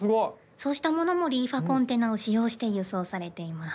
そうしたものもリーファコンテナを使用して輸送されています。